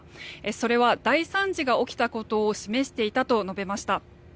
それは大惨事が起きたことを示していたと述べました。